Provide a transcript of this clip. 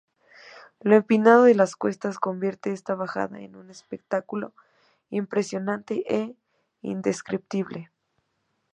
Lo empinado de las cuestas convierte esta bajada en un espectáculo impresionante e indescriptible.